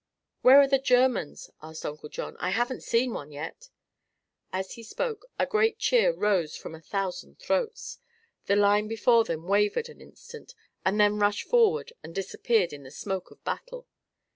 "Where are the Germans?" asked Uncle John. "I haven't seen one yet." As he spoke a great cheer rose from a thousand throats. The line before them wavered an instant and then rushed forward and disappeared in the smoke of battle.